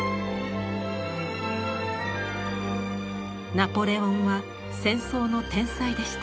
ナポレオンは戦争の天才でした。